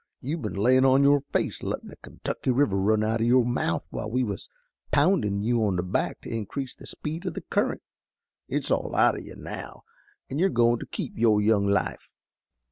"You've been layin' on your face, lettin' the Kentucky River run out of your mouth, while we was poundin' you on the back to increase the speed o' the current. It's all out o' you now, an' you're goin' to keep your young life."